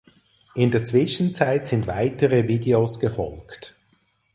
In der Zwischenzeit sind weitere Videos gefolgt.